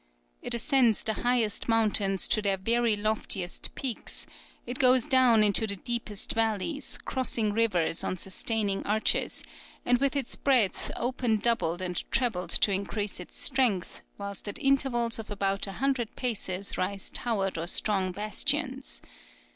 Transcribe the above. It ascends the highest mountains to their very loftiest peaks, it goes down into the deepest valleys, crossing rivers on sustaining arches, and with its breadth often doubled and trebled to increase its strength, whilst at intervals of about a hundred paces rise towers or strong bastions.